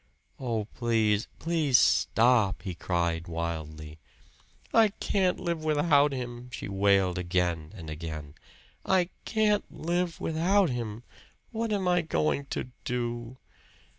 "Oh, please, please stop!" he cried wildly. "I can't live without him!" she wailed again and again. "I can't live without him! What am I going to do?"